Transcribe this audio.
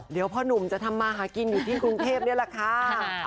เดี๋ยวพ่อหนุ่มจะทำมาหากินอยู่ที่กรุงเทพนี่แหละค่ะ